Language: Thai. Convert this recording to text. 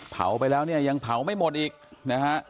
เผาไปแล้วเนี่ยยังเผาไม่หมดอีกนะฮะ